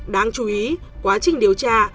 đáng chú ý quá trình điều tra